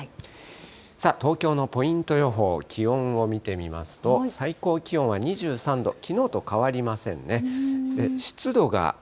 さあ、東京のポイント予報、気温を見てみますと、最高気温は２３度、きのうと変わりませんね。